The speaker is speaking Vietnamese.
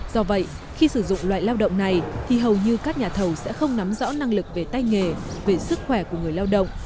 do vậy khi sử dụng loại lao động này thì hầu như các nhà thầu sẽ không nắm rõ năng lực về tay nghề về sức khỏe của người lao động